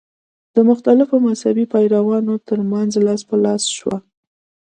د مختلفو مذهبي پیروانو تر منځ لاس په لاس شوه.